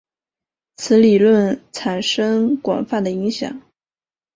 此理论产生广泛的影响。